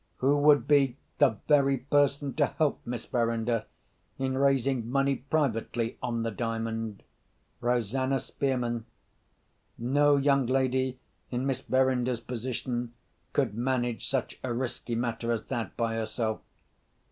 Who would be the very person to help Miss Verinder in raising money privately on the Diamond? Rosanna Spearman. No young lady in Miss Verinder's position could manage such a risky matter as that by herself.